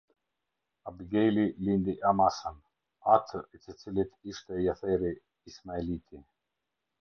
Abigaili lindi Amasan, atë i të cilit ishte Jetheri, Ismaeliti.